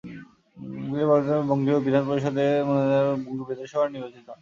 তিনি পরবর্তীকালে 'বঙ্গীয় বিধান পরিষদ'-এ মনোনীত হন এবং 'বঙ্গীয় বিধানসভা'য় নির্বাচিত হন।